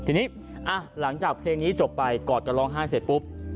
ทีนี้หลังจากเพลงนี้จบไปกอดกันร้องไห้เสร็จปุ๊บ